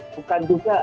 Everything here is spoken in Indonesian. bukan juga dari buk